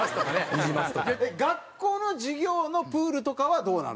学校の授業のプールとかはどうなの？